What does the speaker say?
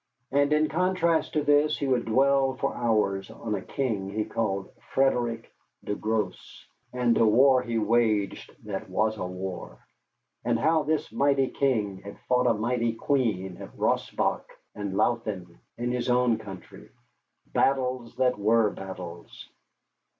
And in contrast to this he would dwell for hours on a king he called Friedrich der Grosse, and a war he waged that was a war; and how this mighty king had fought a mighty queen at Rossbach and Leuthen in his own country, battles that were battles.